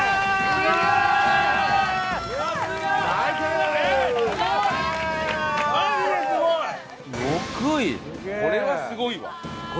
これはすごいわ。